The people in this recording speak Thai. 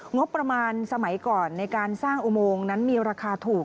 งบประมาณสมัยก่อนในการสร้างอุโมงนั้นมีราคาถูก